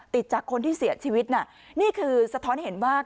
ติดจากคนที่เสียชีวิตน่ะนี่คือสะท้อนเห็นว่า